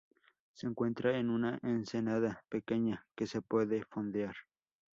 Se encuentra en una ensenada pequeña que se puede fondear.